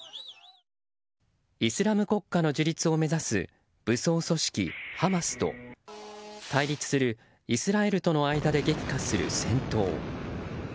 イスラム国家の樹立を目指す武装組織ハマスと対立するイスラエルとの間で激化する戦闘。